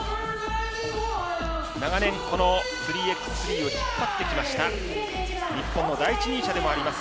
長年、この３ｘ３を引っ張ってきました日本の第一人者でもあります